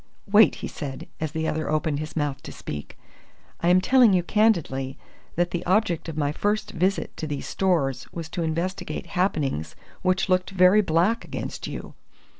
Wait," he said, as the other opened his mouth to speak. "I am telling you candidly that the object of my first visit to these Stores was to investigate happenings which looked very black against you.